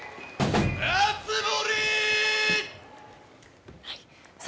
熱盛！